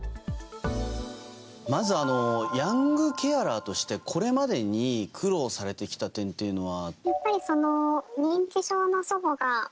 まず、ヤングケアラーとしてこれまでに苦労されてきた点というのは？